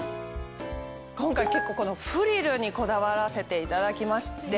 今回結構このフリルにこだわらせていただきまして。